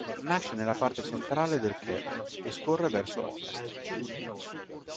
Nasce nella parte centrale del Quebec e scorre verso ovest.